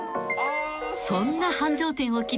［そんな］